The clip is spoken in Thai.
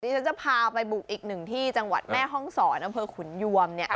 ดิฉันจะพาไปบุกอีกหนึ่งที่จังหวัดแม่ห้องศรอคุณยวม